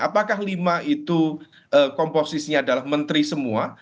apakah lima itu komposisinya adalah menteri semua